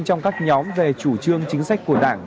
trong các nhóm về chủ trương chính sách của đảng